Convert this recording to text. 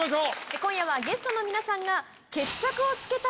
今夜はゲストの皆さんが。